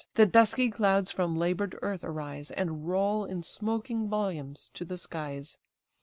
The dusky clouds from labour'd earth arise, And roll in smoking volumes to the skies.